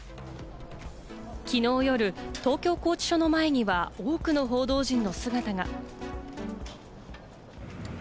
きのう夜、東京拘置所の前には多くの報道陣の姿が。